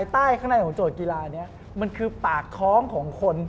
ต้องไปแก้ข้างนอกก่อน